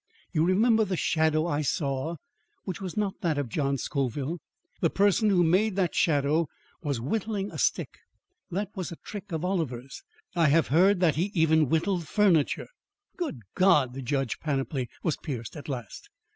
"You remember the shadow I saw which was not that of John Scoville? The person who made that shadow was whittling a stick; that was a trick of Oliver's. I have heard that he even whittled furniture." "Good God!" The judge's panoply was pierced at last.